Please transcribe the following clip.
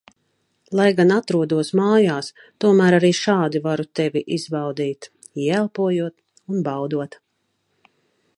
Lai gan atrodos mājās, tomēr arī šādi varu Tevi izbaudīt, ieelpojot un baudot.